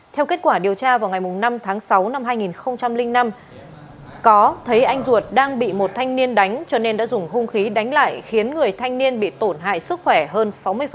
theo kết quả điều tra vào ngày năm tháng sáu năm hai nghìn năm có thấy anh ruột đang bị một thanh niên đánh cho nên đã dùng hung khí đánh lại khiến người thanh niên bị tổn hại sức khỏe hơn sáu mươi